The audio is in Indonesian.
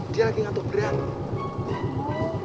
dia lagi gak tuh berani